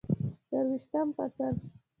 درویشتم فصل